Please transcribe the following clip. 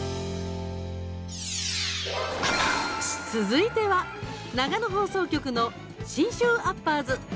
続いては長野放送局の「信州アッパーズ」。